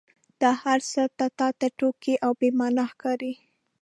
دا هرڅه تا ته ټوکې او بې معنا ښکاري.